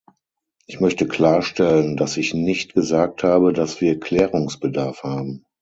Ich möchte klarstellen, dass ich nicht gesagt habe, dass wir Klärungsbedarf haben.